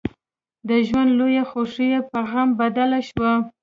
د ژوند لويه خوښي يې په غم بدله شوه.